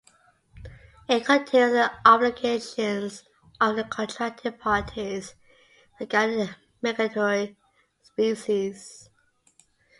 It contains the obligations of the Contracting Parties regarding migratory species.